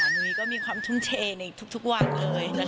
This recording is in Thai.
หนุ๊ยก็มีความทุนเชตในทุกวันเลยนะคะ